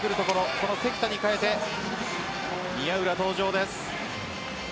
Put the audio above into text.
その関田に代えて宮浦登場です。